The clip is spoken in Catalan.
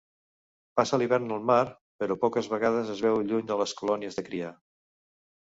Passa l'hivern al mar, però poques vegades es veu lluny de les colònies de cria.